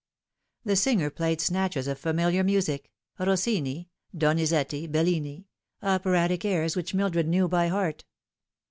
The singer played snatches of familiar mnsic Rossini, Doni zetti, Bellini operatic airs which Mildred knew by heart.